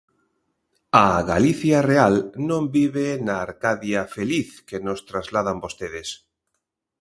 A Galicia real non vive na Arcadia feliz que nos trasladan vostedes.